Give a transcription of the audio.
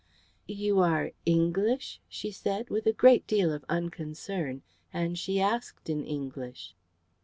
"You are English?" she said with a great deal of unconcern, and she asked in English.